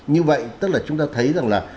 như vậy tức là chúng ta thấy rằng là